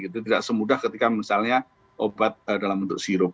itu tidak semudah ketika misalnya obat dalam bentuk sirup